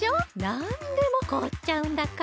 なんでもこおっちゃうんだから。